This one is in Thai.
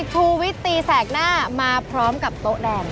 ชูวิตตีแสกหน้ามาพร้อมกับโต๊ะแดง